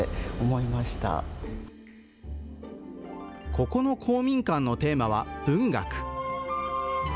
ここの公民館のテーマは文学。